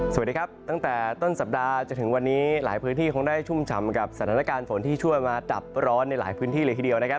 สวัสดีครับตั้งแต่ต้นสัปดาห์จนถึงวันนี้หลายพื้นที่คงได้ชุ่มฉ่ำกับสถานการณ์ฝนที่ช่วยมาจับร้อนในหลายพื้นที่เลยทีเดียวนะครับ